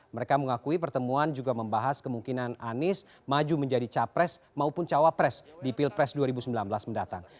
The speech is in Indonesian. mereka mengakui pertemuan juga membahas kemungkinan anies maju menjadi capres maupun cawapres di pilpres dua ribu sembilan belas mendatang